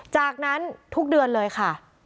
จากนั้นทุกเดือนเลยค่ะ